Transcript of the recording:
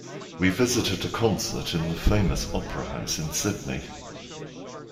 We visited a concert in the famous opera house in Sydney.